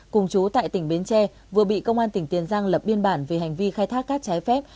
cùng chú tại tỉnh bến tre vừa bị công an tỉnh tiền giang lập biên bản về hành vi khai thác cát trái phép